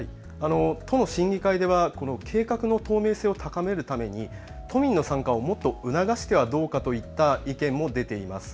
都の審議会では計画の透明性を高めるために都民の参加をもっと促してはどうかといった意見も出ています。